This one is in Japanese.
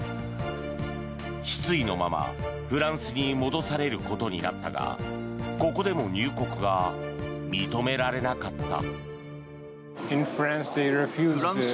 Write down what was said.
失意のまま、フランスに戻されることになったがここでも入国が認められなかった。